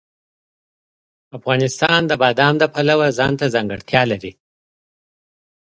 افغانستان د بادام د پلوه ځانته ځانګړتیا لري.